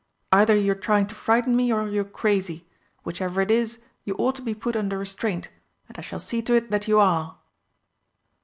"Either you're trying to frighten me or you're crazy. Whichever it is, you ought to be put under restraint and I shall see to it that you are!"